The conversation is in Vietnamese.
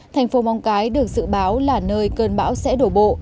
thành phố móng cái được dự báo là nơi cơn bão sẽ đổ bộ